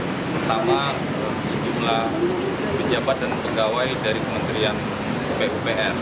pertama sejumlah pejabat dan pegawai dari kementerian pupr